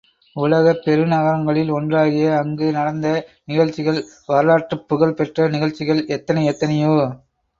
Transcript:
உலகப் பெருநகரங்களில் ஒன்றாகிய அங்கு நடந்த நிகழ்ச்சிகள், வரலாற்றுப் புகழ் பெற்ற நிகழ்ச்சிகள் எத்தனை, எத்தனையோ!